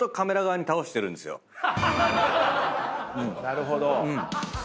なるほど。